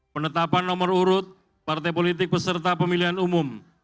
penetapan nomor urut partai politik beserta pemilihan umum